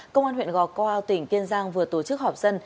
công an huyện gò cô tỉnh kiên giang vừa tổ chức họp dân